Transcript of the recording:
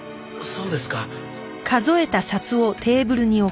そうですか。